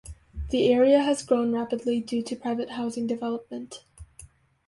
The area has grown rapidly due to private housing development.